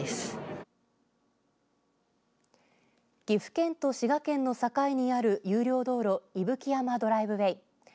岐阜県と滋賀県の境にある有料道路伊吹山ドライブウェイ。